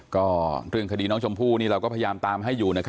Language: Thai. ก็เรื่องคดีน้องชมพู่นี่เราก็พยายามตามให้อยู่